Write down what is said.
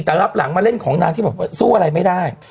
แต่รับหลังมาเล่นที่นางสู้อะไรไม่ได้